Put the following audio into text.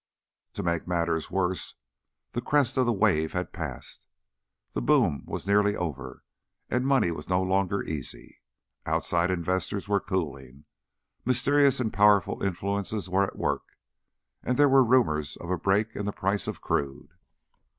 To make matters worse, the crest of the wave had passed, the boom was nearly over, and money was no longer easy. Outside investors were cooling; mysterious and powerful influences were at work, and there were rumors of a break in the price of crude.